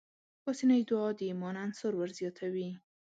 پاسنۍ دعا د ايمان عنصر ورزياتوي.